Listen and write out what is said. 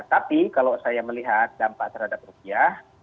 tapi kalau saya melihat dampak terhadap rupiah